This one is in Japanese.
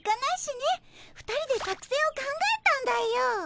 ２人で作戦を考えたんだよ。